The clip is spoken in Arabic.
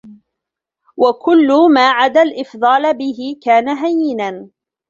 وَكُلُّ مَا عَدَا الْإِفْضَالَ بِهِ كَانَ هَيِّنًا